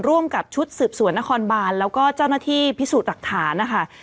ร่วมกับชุดสืบสวนนครบานแล้วก็เจ้าหน้าที่พิสูจน์หลักฐานนะคะ